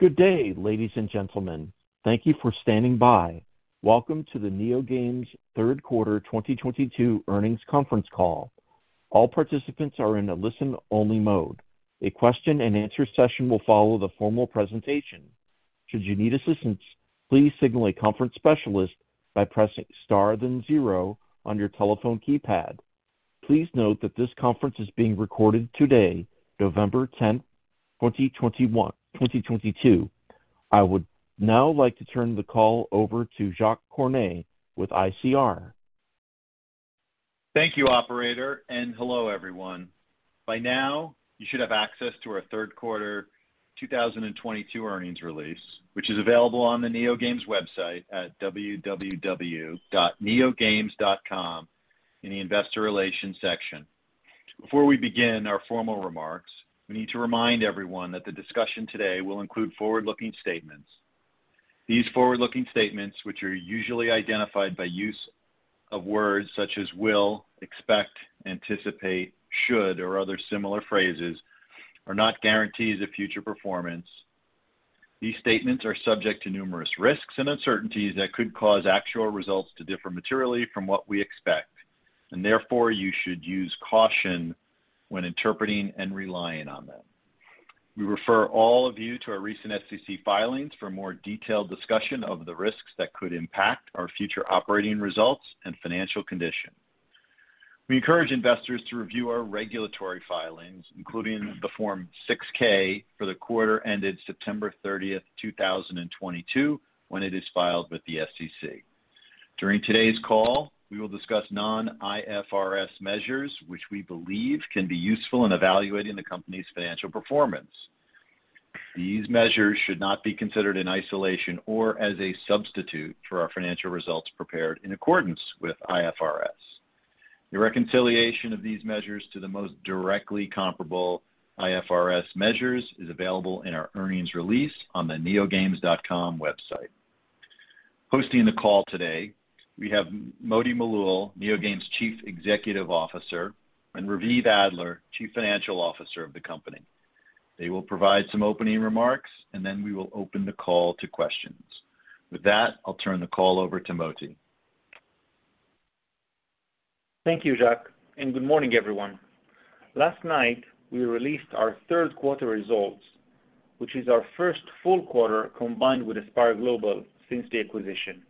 Good day, ladies and gentlemen. Thank you for standing by. Welcome to the NeoGames third quarter 2022 earnings conference call. All participants are in a listen-only mode. A question-and-answer session will follow the formal presentation. Should you need assistance, please signal a conference specialist by pressing Star then zero on your telephone keypad. Please note that this conference is being recorded today, November 10, 2022. I would now like to turn the call over to Jacques Cornet with ICR. Thank you, operator, and hello, everyone. By now, you should have access to our third quarter 2022 earnings release, which is available on the NeoGames website at www.neogames.com in the Investor Relations section. Before we begin our formal remarks, we need to remind everyone that the discussion today will include forward-looking statements. These forward-looking statements, which are usually identified by use of words such as will, expect, anticipate, should, or other similar phrases, are not guarantees of future performance. These statements are subject to numerous risks and uncertainties that could cause actual results to differ materially from what we expect, and therefore, you should use caution when interpreting and relying on them. We refer all of you to our recent SEC filings for more detailed discussion of the risks that could impact our future operating results and financial condition. We encourage investors to review our regulatory filings, including the Form 6-K for the quarter ended September 30th, 2022, when it is filed with the SEC. During today's call, we will discuss non-IFRS measures which we believe can be useful in evaluating the company's financial performance. These measures should not be considered in isolation or as a substitute for our financial results prepared in accordance with IFRS. The reconciliation of these measures to the most directly comparable IFRS measures is available in our earnings release on the neogames.com website. On the call today, we have Moti Malul, NeoGames Chief Executive Officer, and Raviv Adler, Chief Financial Officer of the company. They will provide some opening remarks, and then we will open the call to questions. With that, I'll turn the call over to Moti. Thank you, Jacques, and good morning, everyone. Last night, we released our third quarter results, which is our first full quarter combined with Aspire Global since the acquisition.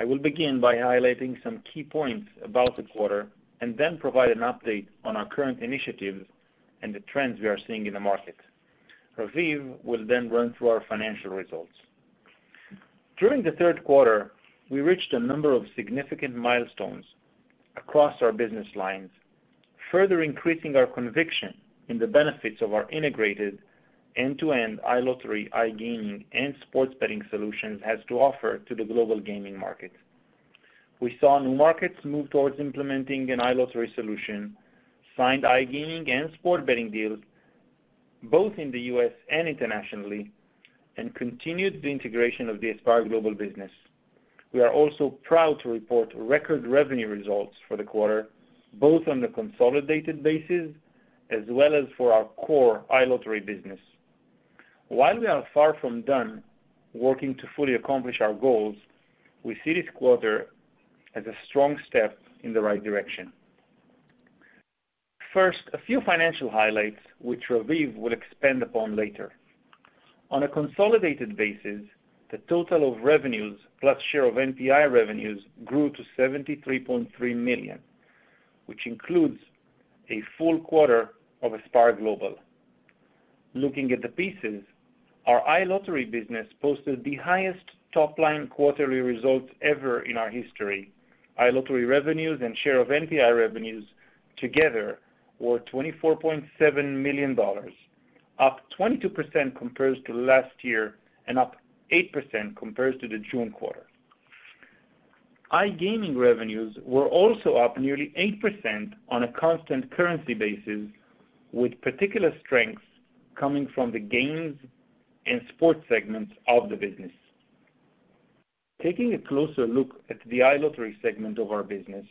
I will begin by highlighting some key points about the quarter and then provide an update on our current initiatives and the trends we are seeing in the market. Raviv will then run through our financial results. During the third quarter, we reached a number of significant milestones across our business lines, further increasing our conviction in the benefits of our integrated end-to-end iLottery, iGaming, and sports betting solutions has to offer to the global gaming market. We saw new markets move towards implementing an iLottery solution, signed iGaming and sports betting deals both in the U.S. and internationally, and continued the integration of the Aspire Global business. We are also proud to report record revenue results for the quarter, both on the consolidated basis as well as for our core iLottery business. While we are far from done working to fully accomplish our goals, we see this quarter as a strong step in the right direction. First, a few financial highlights which Raviv will expand upon later. On a consolidated basis, the total of revenues plus share of NPI revenues grew to $73.3 million, which includes a full quarter of Aspire Global. Looking at the pieces, our iLottery business posted the highest top-line quarterly results ever in our history. iLottery revenues and share of NPI revenues together were $24.7 million, up 22% compared to last year and up 8% compared to the June quarter. iGaming revenues were also up nearly 8% on a constant currency basis, with particular strengths coming from the games and sports segments of the business. Taking a closer look at the iLottery segment of our business,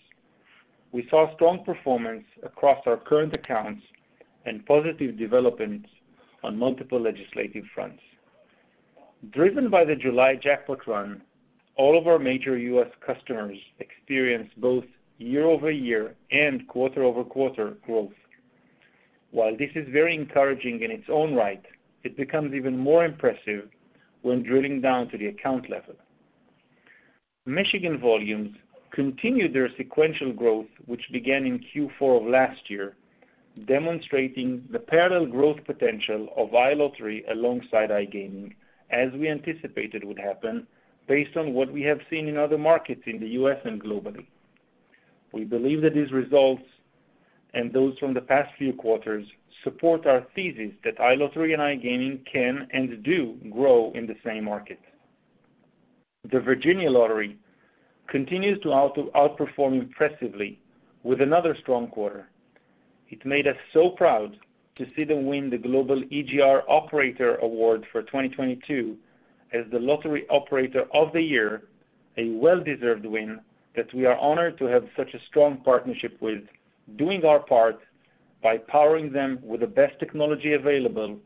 we saw strong performance across our current accounts and positive developments on multiple legislative fronts. Driven by the July jackpot run, all of our major U.S. customers experienced both year-over-year and quarter-over-quarter growth. While this is very encouraging in its own right, it becomes even more impressive when drilling down to the account level. Michigan volumes continued their sequential growth, which began in Q4 of last year, demonstrating the parallel growth potential of iLottery alongside iGaming, as we anticipated would happen based on what we have seen in other markets in the U.S. and globally. We believe that these results and those from the past few quarters support our thesis that iLottery and iGaming can and do grow in the same market. The Virginia Lottery continues to outperform impressively with another strong quarter. It made us so proud to see them win the Global EGR Operator Award for 2022 as the lottery operator of the year, a well-deserved win that we are honored to have such a strong partnership with doing our part by powering them with the best technology available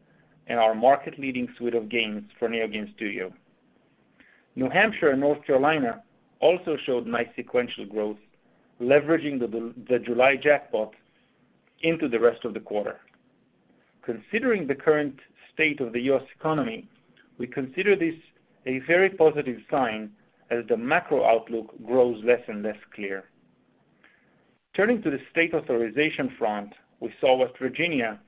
and our market-leading suite of games for NeoGames Studio. New Hampshire and North Carolina also showed nice sequential growth, leveraging the July jackpot into the rest of the quarter. Considering the current state of the U.S. economy, we consider this a very positive sign as the macro outlook grows less and less clear. Turning to the state authorization front, we saw West Virginia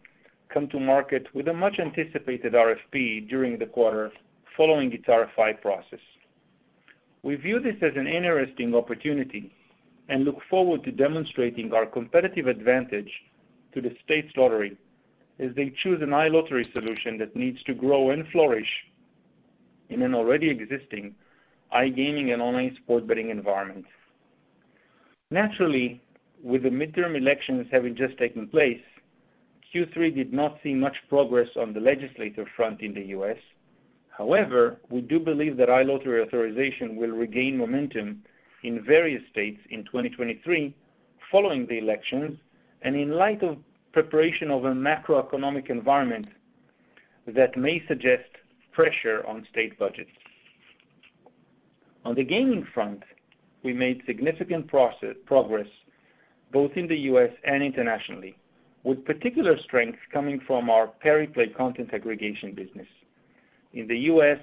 come to market with a much-anticipated RFP during the quarter following its RFI process. We view this as an interesting opportunity and look forward to demonstrating our competitive advantage to the state's lottery as they choose an iLottery solution that needs to grow and flourish in an already existing iGaming and online sports betting environment. Naturally, with the midterm elections having just taken place, Q3 did not see much progress on the legislative front in the U.S. However, we do believe that iLottery authorization will regain momentum in various states in 2023 following the elections and in light of preparation of a macroeconomic environment that may suggest pressure on state budgets. On the gaming front, we made significant progress both in the U.S. and internationally, with particular strength coming from our Pariplay content aggregation business. In the U.S.,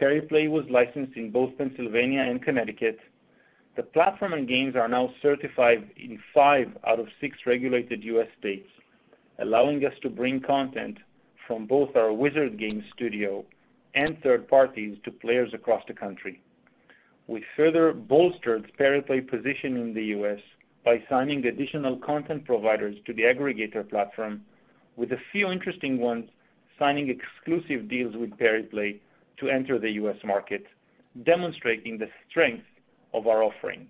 Pariplay was licensed in both Pennsylvania and Connecticut. The platform and games are now certified in five out of six regulated U.S. states, allowing us to bring content from both our Wizard Games studio and third parties to players across the country. We further bolstered Pariplay's position in the U.S. by signing additional content providers to the aggregator platform with a few interesting ones signing exclusive deals with Pariplay to enter the U.S. market, demonstrating the strength of our offering.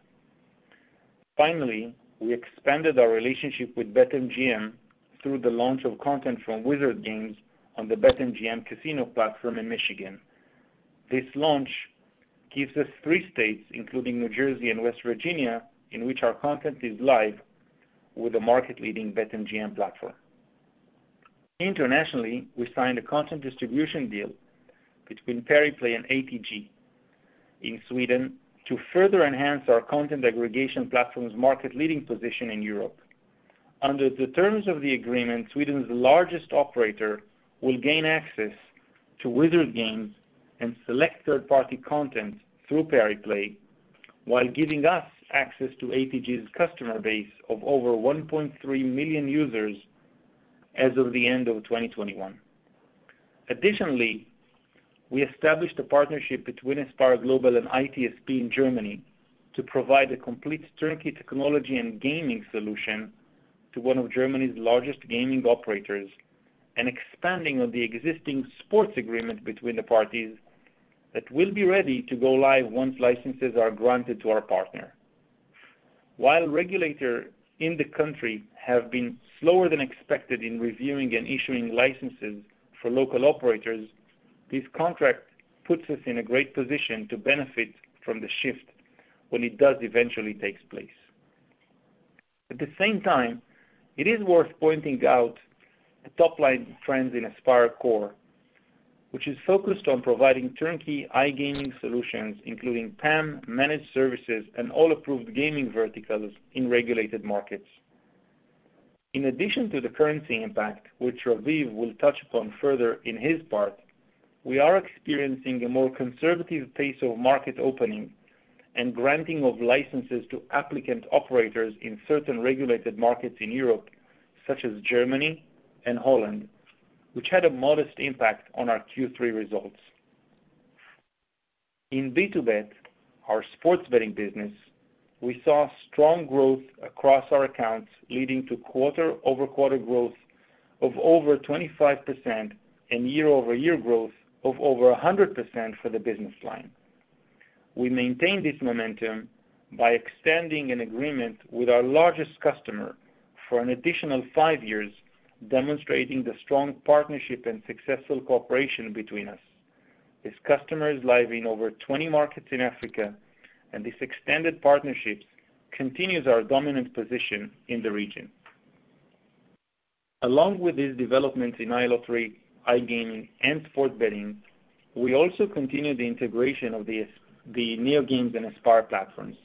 Finally, we expanded our relationship with BetMGM through the launch of content from Wizard Games on the BetMGM casino platform in Michigan. This launch gives us three states, including New Jersey and West Virginia, in which our content is live with the market-leading BetMGM platform. Internationally, we signed a content distribution deal between Pariplay and ATG in Sweden to further enhance our content aggregation platform's market-leading position in Europe. Under the terms of the agreement, Sweden's largest operator will gain access to Wizard Games and select third-party content through Pariplay, while giving us access to ATG's customer base of over 1.3 million users as of the end of 2021. Additionally, we established a partnership between Aspire Global and ITSP in Germany to provide a complete turnkey technology and gaming solution to one of Germany's largest gaming operators, an expansion of the existing sports agreement between the parties that will be ready to go live once licenses are granted to our partner. While regulators in the country have been slower than expected in reviewing and issuing licenses for local operators, this contract puts us in a great position to benefit from the shift when it does eventually takes place. At the same time, it is worth pointing out the top-line trends in AspireCore, which is focused on providing turnkey iGaming solutions, including PAM, managed services, and all approved gaming verticals in regulated markets. In addition to the currency impact, which Raviv will touch upon further in his part, we are experiencing a more conservative pace of market opening and granting of licenses to applicant operators in certain regulated markets in Europe. Such as Germany and Holland, which had a modest impact on our Q3 results. In BtoBet, our sports betting business, we saw strong growth across our accounts, leading to quarter-over-quarter growth of over 25% and year-over-year growth of over 100% for the business line. We maintained this momentum by extending an agreement with our largest customer for an additional five years, demonstrating the strong partnership and successful cooperation between us. This customer is live in over 20 markets in Africa, and this extended partnership continues our dominant position in the region. Along with these developments in iLottery, iGaming, and sports betting, we also continue the integration of the NeoGames and Aspire platforms.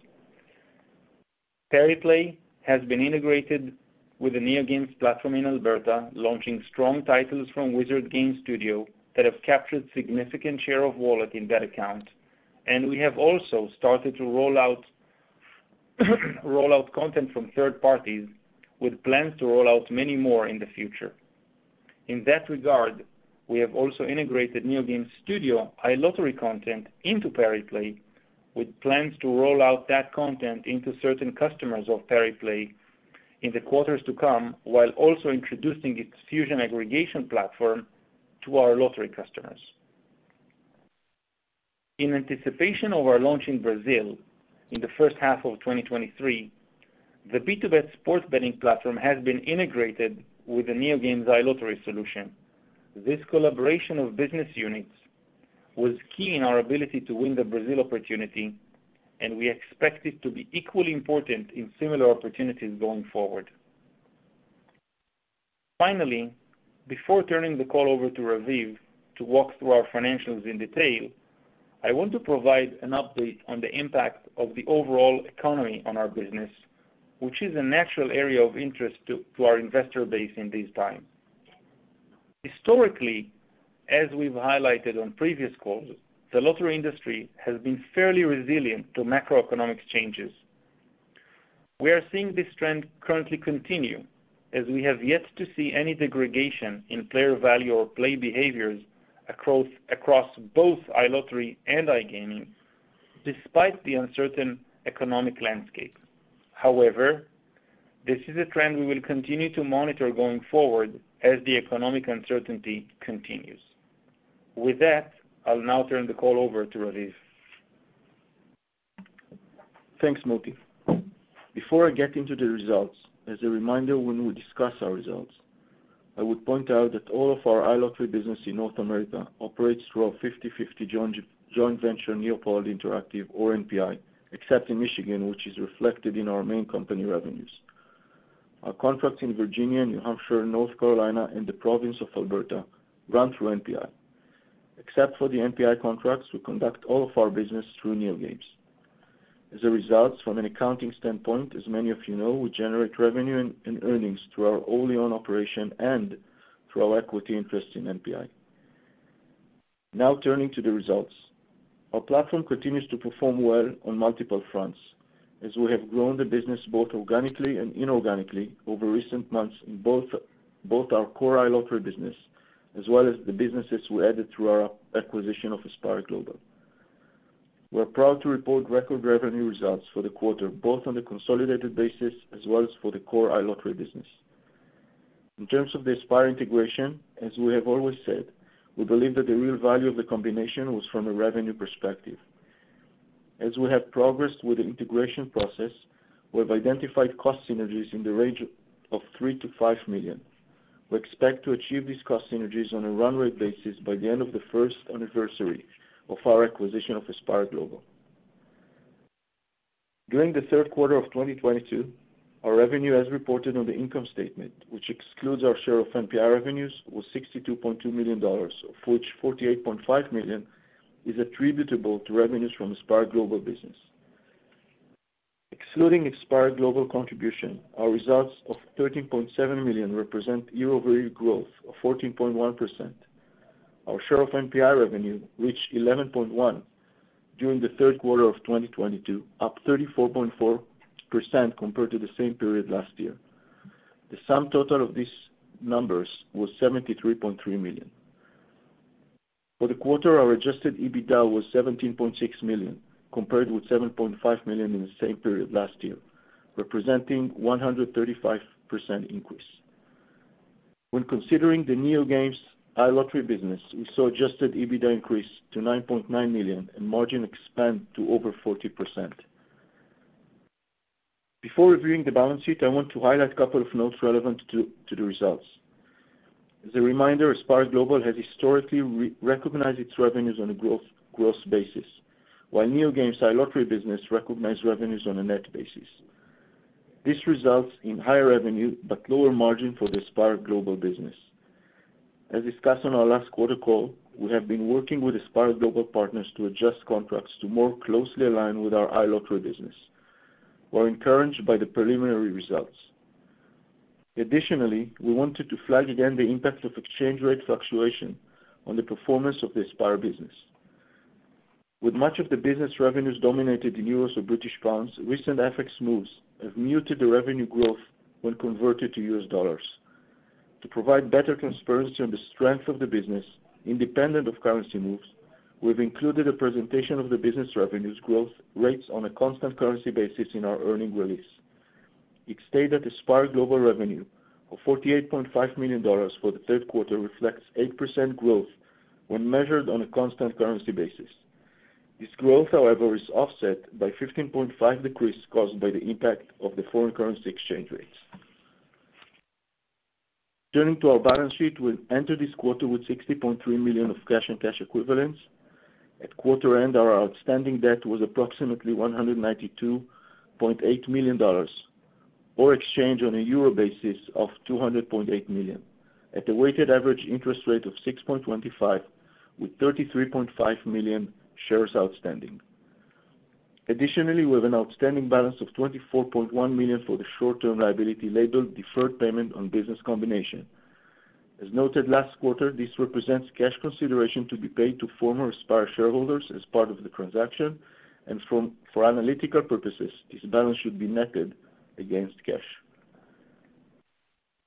Pariplay has been integrated with the NeoGames platform in Alberta, launching strong titles from Wizard Games studio that have captured significant share of wallet in that account. We have also started to roll out content from third parties with plans to roll out many more in the future. In that regard, we have also integrated NeoGames Studio iLottery content into Pariplay, with plans to roll out that content into certain customers of Pariplay in the quarters to come, while also introducing its Fusion aggregation platform to our lottery customers. In anticipation of our launch in Brazil in the first half of 2023, the BtoBet sports betting platform has been integrated with the NeoGames iLottery solution. This collaboration of business units was key in our ability to win the Brazil opportunity, and we expect it to be equally important in similar opportunities going forward. Finally, before turning the call over to Raviv to walk through our financials in detail, I want to provide an update on the impact of the overall economy on our business, which is a natural area of interest to our investor base in these times. Historically, as we've highlighted on previous calls, the lottery industry has been fairly resilient to macroeconomic changes. We are seeing this trend currently continue as we have yet to see any degradation in player value or play behaviors across both iLottery and iGaming, despite the uncertain economic landscape. However, this is a trend we will continue to monitor going forward as the economic uncertainty continues. With that, I'll now turn the call over to Raviv. Thanks, Moti. Before I get into the results, as a reminder when we discuss our results, I would point out that all of our iLottery business in North America operates through our 50/50 joint venture, NeoPollard Interactive or NPI. Except in Michigan, which is reflected in our main company revenues. Our contracts in Virginia, New Hampshire, North Carolina, and the province of Alberta run through NPI. Except for the NPI contracts, we conduct all of our business through NeoGames. As a result, from an accounting standpoint, as many of you know, we generate revenue and earnings through our own operation and through our equity interest in NPI. Now, turning to the results. Our platform continues to perform well on multiple fronts as we have grown the business both organically and inorganically over recent months in both our core iLottery business as well as the businesses we added through our acquisition of Aspire Global. We're proud to report record revenue results for the quarter, both on the consolidated basis as well as for the core iLottery business. In terms of the Aspire integration, as we have always said, we believe that the real value of the combination was from a revenue perspective. As we have progressed with the integration process, we have identified cost synergies in the range of $3 million-$5 million. We expect to achieve these cost synergies on a run rate basis by the end of the first anniversary of our acquisition of Aspire Global. During the third quarter of 2022, our revenue as reported on the income statement, which excludes our share of NPI revenues, was $62.2 million, of which $48.5 million is attributable to revenues from Aspire Global business. Excluding Aspire Global contribution, our results of $13.7 million represent year-over-year growth of 14.1%. Our share of NPI revenue reached $11.1 million during the third quarter of 2022, up 34.4% compared to the same period last year. The sum total of these numbers was $73.3 million. For the quarter, our adjusted EBITDA was $17.6 million, compared with $7.5 million in the same period last year, representing 135% increase. When considering the NeoGames iLottery business, we saw adjusted EBITDA increase to $9.9 million and margin expand to over 40%. Before reviewing the balance sheet, I want to highlight a couple of notes relevant to the results. As a reminder, Aspire Global has historically re-recognized its revenues on a gross basis, while NeoGames iLottery business recognized revenues on a net basis. This results in higher revenue but lower margin for the Aspire Global business. As discussed on our last quarter call, we have been working with Aspire Global partners to adjust contracts to more closely align with our iLottery business. We're encouraged by the preliminary results. Additionally, we wanted to flag again the impact of exchange rate fluctuation on the performance of the Aspire business. With much of the business revenues dominated in euros or British pounds, recent FX moves have muted the revenue growth when converted to U.S. dollars. To provide better transparency on the strength of the business independent of currency moves, we've included a presentation of the business revenues growth rates on a constant currency basis in our earnings release. The stated Aspire Global revenue of $48.5 million for the third quarter reflects 8% growth when measured on a constant currency basis. This growth, however, is offset by 15.5% decrease caused by the impact of the foreign currency exchange rates. Turning to our balance sheet, we entered this quarter with $60.3 million of cash and cash equivalents. At quarter end, our outstanding debt was approximately $192.8 million, or exchange on a euro basis of 200.8 million, at a weighted average interest rate of 6.25%, with 33.5 million shares outstanding. Additionally, we have an outstanding balance of $24.1 million for the short-term liability labeled deferred payment on business combination. As noted last quarter, this represents cash consideration to be paid to former Aspire shareholders as part of the transaction. For analytical purposes, this balance should be netted against cash.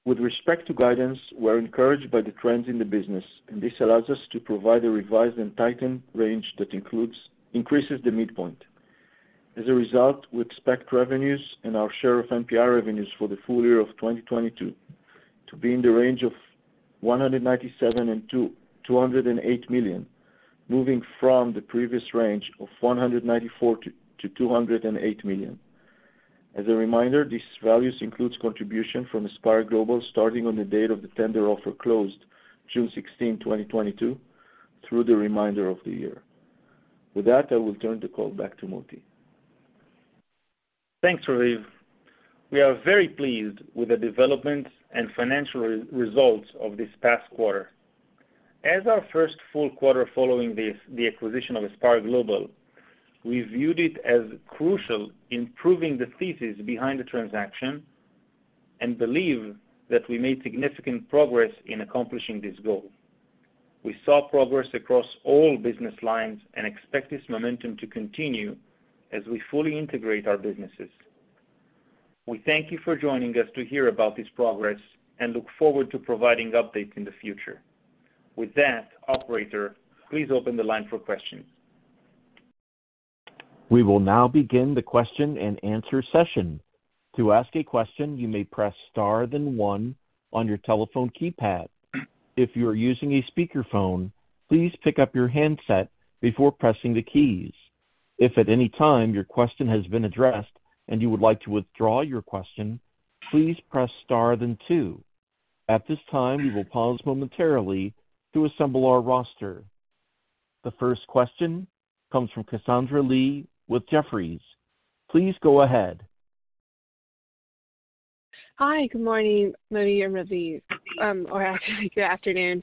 With respect to guidance, we're encouraged by the trends in the business, and this allows us to provide a revised and tightened range that increases the midpoint. As a result, we expect revenues and our share of NPI revenues for the full year of 2022 to be in the range of $197 million-$208 million, moving from the previous range of $194 million-$208 million. As a reminder, these values includes contribution from Aspire Global, starting on the date of the tender offer closed June 16, 2022, through the remainder of the year. With that, I will turn the call back to Moti. Thanks, Raviv. We are very pleased with the developments and financial results of this past quarter. As our first full quarter following the acquisition of Aspire Global, we viewed it as crucial in proving the thesis behind the transaction and believe that we made significant progress in accomplishing this goal. We saw progress across all business lines and expect this momentum to continue as we fully integrate our businesses. We thank you for joining us to hear about this progress and look forward to providing updates in the future. With that, operator, please open the line for questions. We will now begin the question and answer session. To ask a question, you may press star then one on your telephone keypad. If you are using a speakerphone, please pick up your handset before pressing the keys. If at any time your question has been addressed and you would like to withdraw your question, please press star then two. At this time, we will pause momentarily to assemble our roster. The first question comes from Cassandra Lee with Jefferies. Please go ahead. Hi. Good morning, Moti and Raviv. Or actually, good afternoon.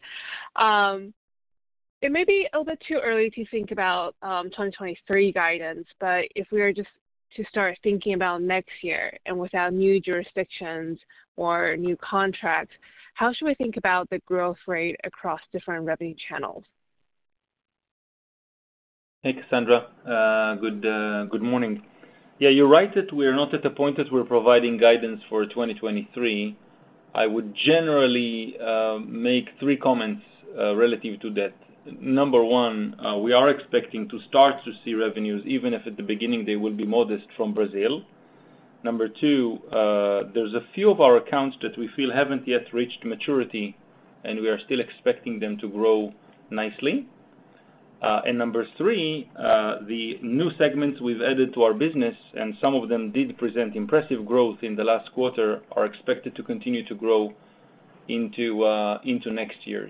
It may be a bit too early to think about 2023 guidance, but if we were just to start thinking about next year and without new jurisdictions or new contracts, how should we think about the growth rate across different revenue channels? Hey, Cassandra. Good morning. Yeah, you're right that we are not at the point that we're providing guidance for 2023. I would generally make three comments relative to that. Number one, we are expecting to start to see revenues, even if at the beginning they will be modest from Brazil. Number two, there's a few of our accounts that we feel haven't yet reached maturity, and we are still expecting them to grow nicely. Number three, the new segments we've added to our business, and some of them did present impressive growth in the last quarter, are expected to continue to grow into next year.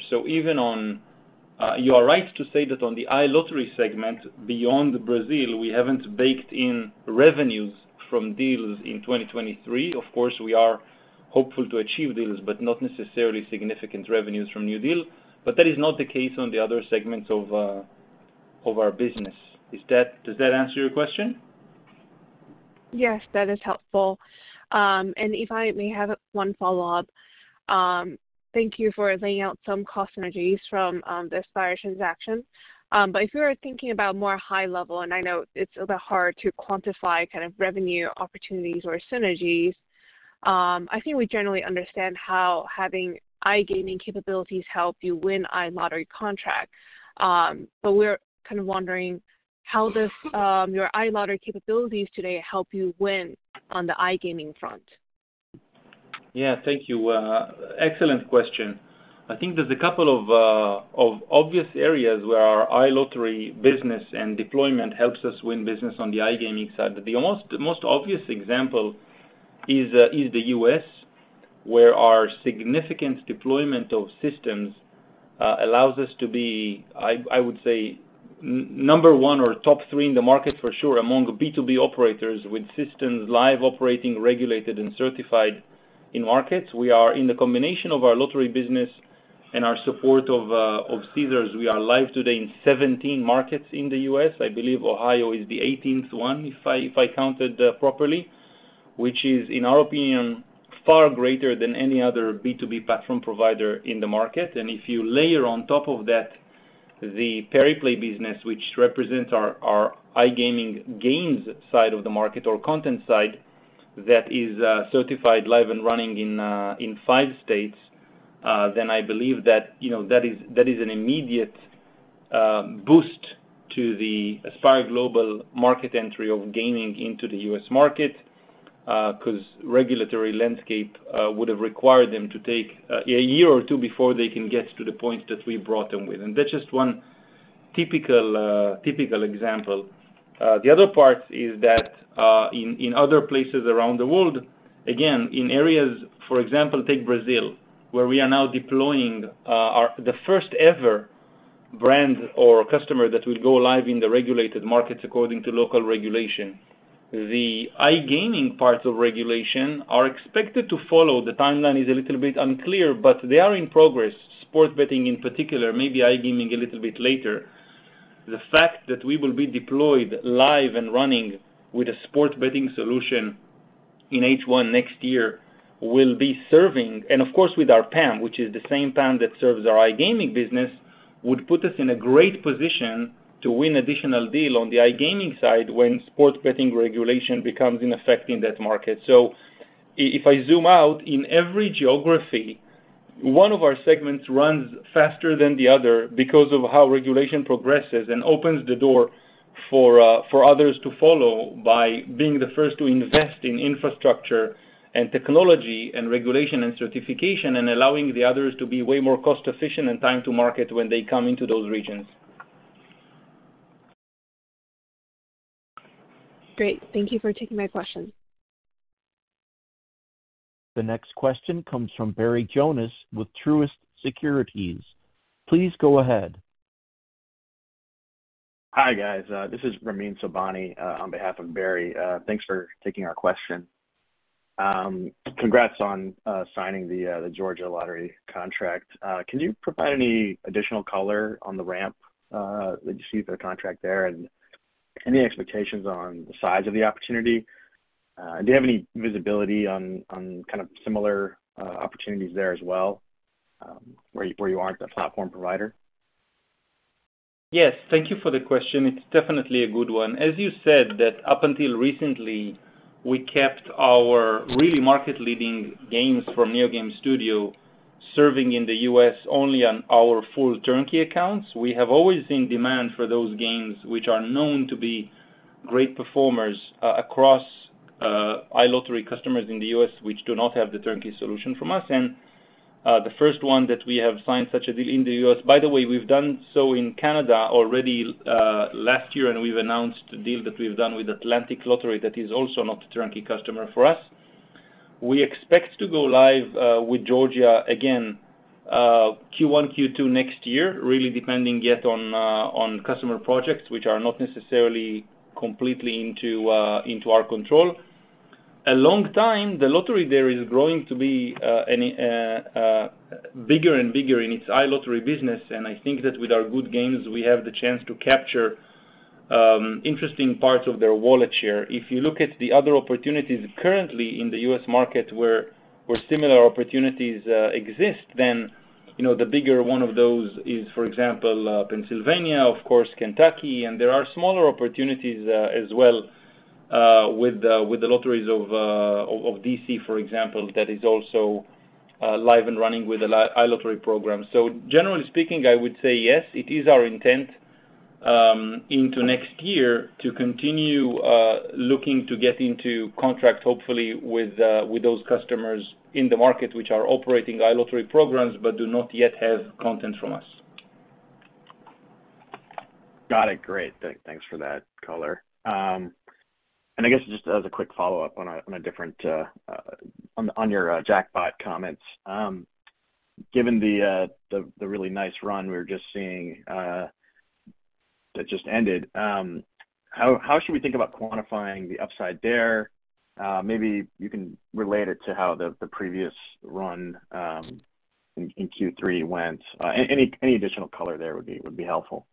You are right to say that on the iLottery segment, beyond Brazil, we haven't baked in revenues from deals in 2023. Of course, we are hopeful to achieve deals, but not necessarily significant revenues from new deal. That is not the case on the other segments of our business. Does that answer your question? Yes. That is helpful. If I may have one follow-up. Thank you for laying out some cost synergies from the Aspire transaction. If you were thinking about more high-level, and I know it's a bit hard to quantify kind of revenue opportunities or synergies, I think we generally understand how having iGaming capabilities help you win iLottery contracts. We're kind of wondering, how does your iLottery capabilities today help you win on the iGaming front? Yeah. Thank you. Excellent question. I think there's a couple of obvious areas where our iLottery business and deployment helps us win business on the iGaming side. The most obvious example is the U.S., where our significant deployment of systems allows us to be, I would say, number one or top three in the market for sure among B2B operators with systems live, operating, regulated, and certified in markets. In the combination of our lottery business and our support of Caesars, we are live today in 17 markets in the U.S. I believe Ohio is the 18th one, if I counted properly, which is, in our opinion, far greater than any other B2B platform provider in the market. If you layer on top of that the Pariplay business, which represents our iGaming games side of the market or content side that is certified, live, and running in five states, then I believe that, you know, that is an immediate boost to the Aspire Global market entry of gaming into the U.S. market. 'Cause regulatory landscape would have required them to take a year or two before they can get to the point that we brought them with. That's just one typical example. The other part is that in other places around the world, again, in areas, for example, take Brazil, where we are now deploying the first ever brand or customer that will go live in the regulated markets according to local regulation. The iGaming parts of regulation are expected to follow. The timeline is a little bit unclear, but they are in progress, sports betting in particular, maybe iGaming a little bit later. The fact that we will be deployed, live and running, with a sports betting solution in H1 next year. Of course, with our PAM, which is the same PAM that serves our iGaming business, would put us in a great position to win additional deal on the iGaming side when sports betting regulation becomes in effect in that market. If I zoom out, in every geography, one of our segments runs faster than the other because of how regulation progresses and opens the door for others to follow by being the first to invest in infrastructure and technology and regulation and certification, and allowing the others to be way more cost-efficient and time to market when they come into those regions. Great. Thank you for taking my question. The next question comes from Barry Jonas with Truist Securities. Please go ahead. Hi, guys. This is Ramin Sobhany on behalf of Barry. Thanks for taking our question. Congrats on signing the Georgia Lottery contract. Can you provide any additional color on the ramp that you see for the contract there and any expectations on the size of the opportunity? Do you have any visibility on kind of similar opportunities there as well, where you aren't the platform provider? Yes. Thank you for the question. It's definitely a good one. As you said that up until recently, we kept our really market-leading games from NeoGames Studio serving in the U.S. only on our full turnkey accounts. We have always seen demand for those games, which are known to be great performers across iLottery customers in the U.S. which do not have the turnkey solution from us. The first one that we have signed such a deal in the U.S. By the way, we've done so in Canada already last year, and we've announced a deal that we've done with Atlantic Lottery that is also not a turnkey customer for us. We expect to go live with Georgia again Q1, Q2 next year, really depending yet on customer projects which are not necessarily completely into our control. All the time, the lottery there is growing to be bigger and bigger in its iLottery business. I think that with our good games, we have the chance to capture interesting parts of their wallet share. If you look at the other opportunities currently in the U.S. market where similar opportunities exist, then, you know, the bigger one of those is, for example, Pennsylvania, of course, Kentucky, and there are smaller opportunities as well with the lotteries of D.C., for example, that is also live and running with an iLottery program. Generally speaking, I would say yes, it is our intent into next year to continue looking to get into contract, hopefully with those customers in the market which are operating iLottery programs but do not yet have content from us. Got it. Great. Thanks for that color. I guess just as a quick follow-up on a different, on your jackpot comments. Given the really nice run we're just seeing that just ended, how should we think about quantifying the upside there? Maybe you can relate it to how the previous run in Q3 went. Any additional color there would be helpful.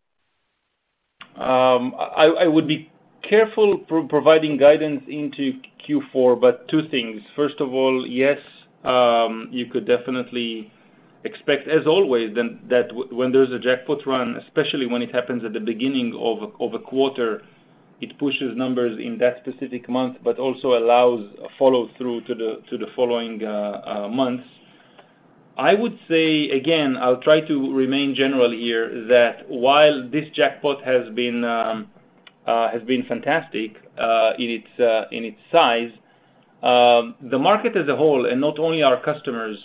I would be careful providing guidance into Q4, but two things. First of all, yes, you could definitely expect, as always, then, that when there's a jackpot run, especially when it happens at the beginning of a quarter, it pushes numbers in that specific month, but also allows a follow-through to the following months. I would say, again, I'll try to remain general here, that while this jackpot has been fantastic in its size, the market as a whole, and not only our customers,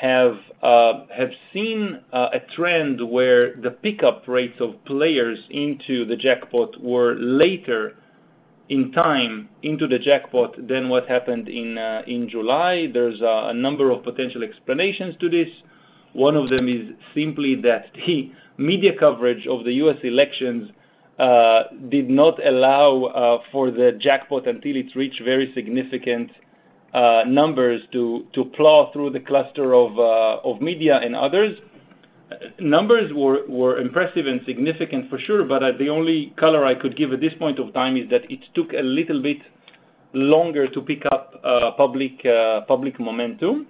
have seen a trend where the pickup rates of players into the jackpot were later in time into the jackpot than what happened in July. There's a number of potential explanations to this. One of them is simply that the media coverage of the U.S. elections did not allow for the jackpot until it's reached very significant numbers to plow through the cluster of media and others. Numbers were impressive and significant for sure, but the only color I could give at this point of time is that it took a little bit longer to pick up public momentum.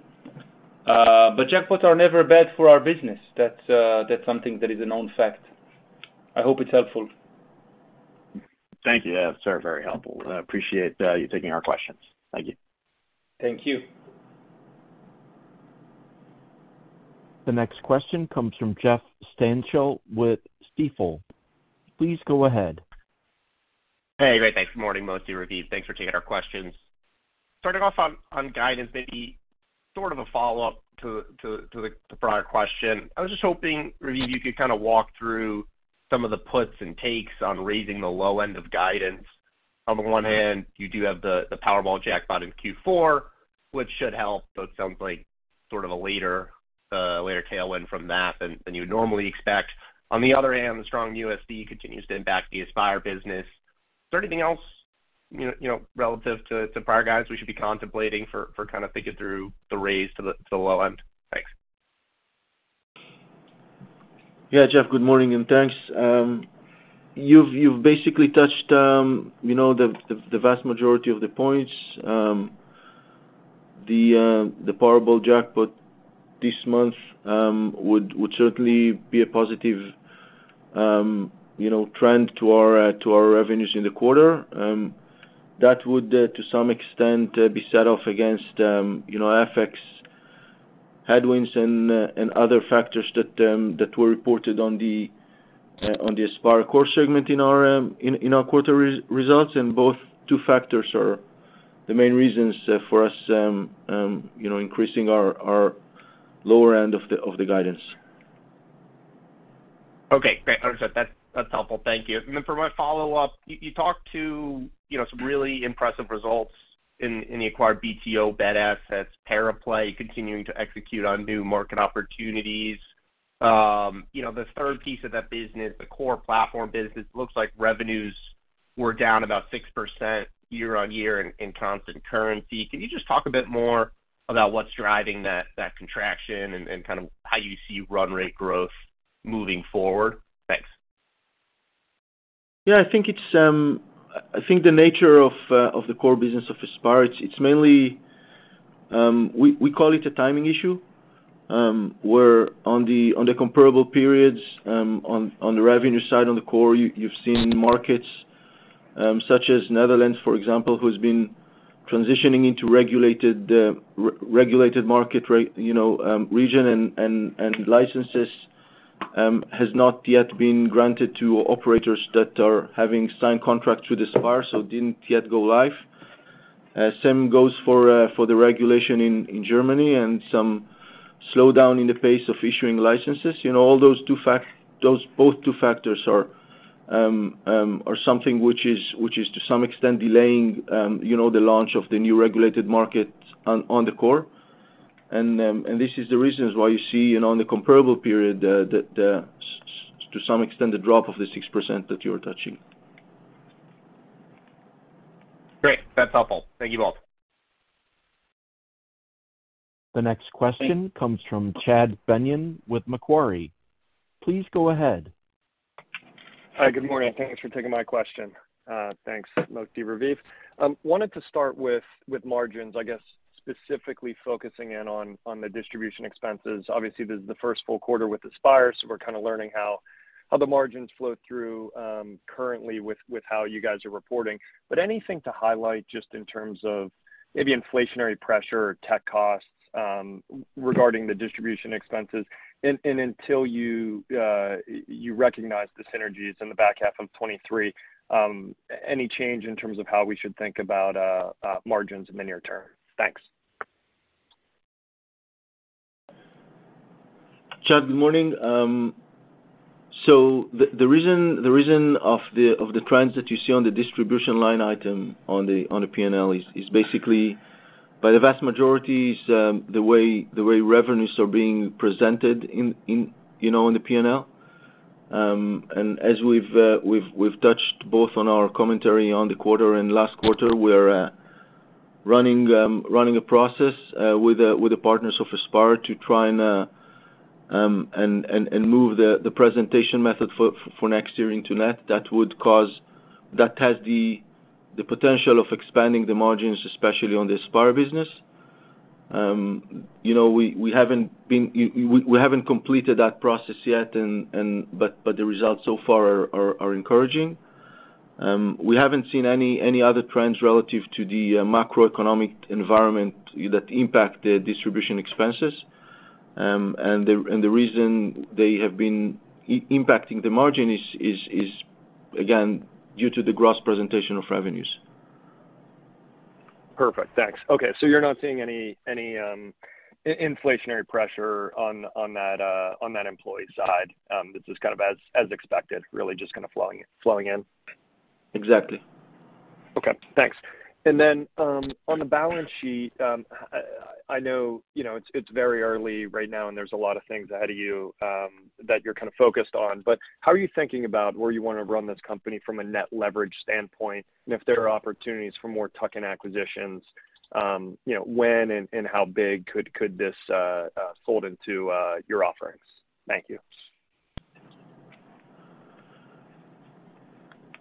Jackpots are never bad for our business. That's something that is a known fact. I hope it's helpful. Thank you. Yeah, it's very, very helpful. I appreciate you taking our questions. Thank you. Thank you. The next question comes from Jeff Stantial with Stifel. Please go ahead. Hey. Great. Thanks. Morning, Moti and Raviv. Thanks for taking our questions. Starting off on guidance, maybe sort of a follow-up to the prior question. I was just hoping, Raviv, you could kind of walk through some of the puts and takes on raising the low end of guidance. On the one hand, you do have the Powerball jackpot in Q4, which should help, but it sounds like sort of a later tailwind from that than you would normally expect. On the other hand, the strong USD continues to impact the Aspire business. Is there anything else, you know, relative to prior guides we should be contemplating for kind of thinking through the raise to the low end? Thanks. Yeah. Jeff, good morning, and thanks. You've basically touched, you know, the vast majority of the points. The Powerball jackpot this month would certainly be a positive, you know, trend to our revenues in the quarter. That would, to some extent, be set off against, you know, FX headwinds and other factors that were reported on the AspireCore segment in our quarter results. Both two factors are the main reasons for us, you know, increasing our lower end of the guidance. Okay, great. Understood. That's helpful. Thank you. For my follow-up, you talked about, you know, some really impressive results in the acquired BtoBet assets, Pariplay continuing to execute on new market opportunities. You know, the third piece of that business, the core platform business, looks like revenues were down about 6% year-on-year in constant currency. Can you just talk a bit more about what's driving that contraction and kind of how you see run rate growth moving forward? Thanks. Yeah, I think it's. I think the nature of the core business of Aspire, it's mainly we call it a timing issue, where on the comparable periods, on the revenue side, on the core, you've seen markets such as Netherlands, for example, who's been transitioning into regulated re-regulated market you know region and licenses has not yet been granted to operators that are having signed contract through the Aspire, so didn't yet go live. Same goes for the regulation in Germany and some slowdown in the pace of issuing licenses. You know, those both two factors are something which is to some extent delaying you know the launch of the new regulated market on the core. this is the reasons why you see, you know, on the comparable period, to some extent, the drop of the 6% that you're touching. Great. That's helpful. Thank you both. The next question comes from Chad Beynon with Macquarie. Please go ahead. Hi, good morning. Thanks for taking my question. Thanks, Moti, Raviv. Wanted to start with margins, I guess specifically focusing in on the distribution expenses. Obviously, this is the first full quarter with Aspire, so we're kind of learning how the margins flow through, currently with how you guys are reporting. But anything to highlight just in terms of maybe inflationary pressure or tech costs, regarding the distribution expenses? Until you recognize the synergies in the back half of 2023, any change in terms of how we should think about margins in the near term? Thanks. Chad, good morning. The reason of the trends that you see on the distribution line item on the P&L is basically, by the vast majority, the way revenues are being presented in, you know, in the P&L. As we've touched both on our commentary on the quarter and last quarter, we're running a process with the partners of Aspire to try and move the presentation method for next year into net, that has the potential of expanding the margins, especially on the Aspire business. You know, we haven't completed that process yet, but the results so far are encouraging. We haven't seen any other trends relative to the macroeconomic environment that impact the distribution expenses. The reason they have been impacting the margin is again due to the gross presentation of revenues. Perfect. Thanks. Okay, so you're not seeing any inflationary pressure on that employee side, that's just kind of as expected, really just kinda flowing in? Exactly. Okay. Thanks. On the balance sheet, I know, you know, it's very early right now, and there's a lot of things ahead of you that you're kind of focused on, but how are you thinking about where you wanna run this company from a net leverage standpoint? If there are opportunities for more tuck-in acquisitions, you know, when and how big could this fold into your offerings? Thank you.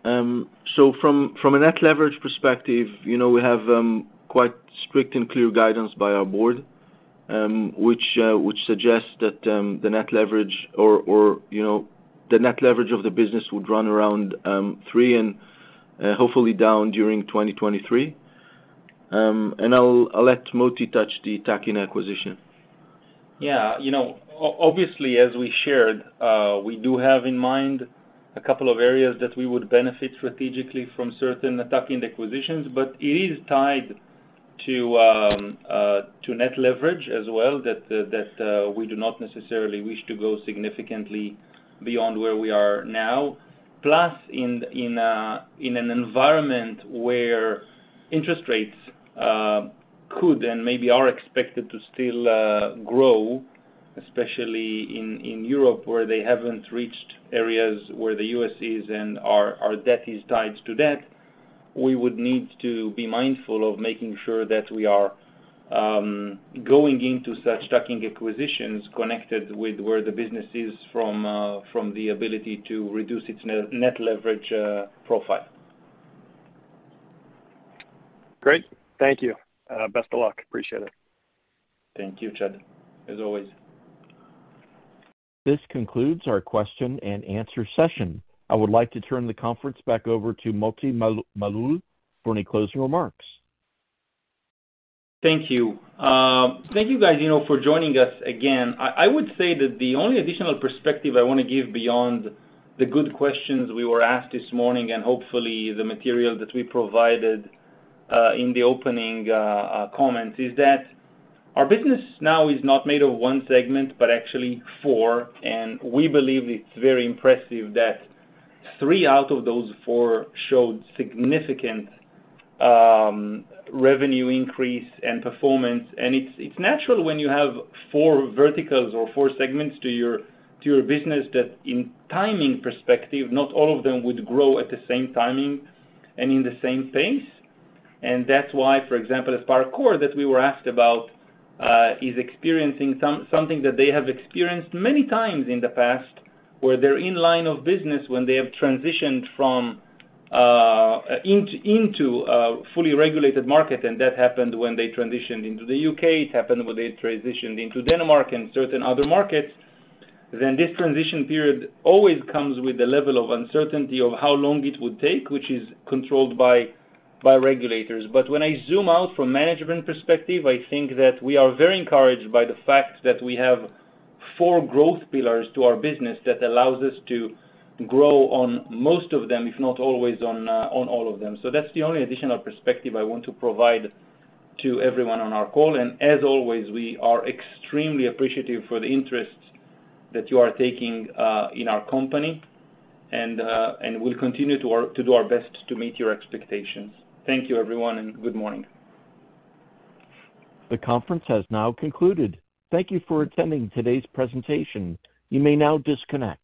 From a net leverage perspective, you know, we have quite strict and clear guidance by our board, which suggests that the net leverage or you know the net leverage of the business would run around three and hopefully down during 2023. I'll let Moti touch the tuck-in acquisition. Yeah. You know, obviously, as we shared, we do have in mind a couple of areas that we would benefit strategically from certain tuck-in acquisitions, but it is tied to net leverage as well that we do not necessarily wish to go significantly beyond where we are now. Plus, in an environment where interest rates could and maybe are expected to still grow, especially in Europe, where they haven't reached areas where the U.S. is and our debt is tied to that, we would need to be mindful of making sure that we are going into such tuck-in acquisitions connected with where the business is from the ability to reduce its net leverage profile. Great. Thank you. Best of luck. Appreciate it. Thank you, Chad, as always. This concludes our question and answer session. I would like to turn the conference back over to Moti Malul for any closing remarks. Thank you. Thank you guys, you know, for joining us again. I would say that the only additional perspective I wanna give beyond the good questions we were asked this morning and hopefully the material that we provided in the opening comments is that our business now is not made of one segment, but actually four, and we believe it's very impressive that three out of those four showed significant revenue increase and performance. It's natural when you have four verticals or four segments to your business that in timing perspective, not all of them would grow at the same timing and in the same pace. That's why, for example, AspireCore that we were asked about is experiencing something that they have experienced many times in the past, where they're in line of business when they have transitioned from into a fully regulated market, and that happened when they transitioned into the U.K., it happened when they transitioned into Denmark and certain other markets. This transition period always comes with a level of uncertainty of how long it would take, which is controlled by regulators. When I zoom out from management perspective, I think that we are very encouraged by the fact that we have four growth pillars to our business that allows us to grow on most of them, if not always on all of them. That's the only additional perspective I want to provide to everyone on our call. As always, we are extremely appreciative for the interest that you are taking in our company, and we'll continue to do our best to meet your expectations. Thank you, everyone, and good morning. The conference has now concluded. Thank you for attending today's presentation. You may now disconnect.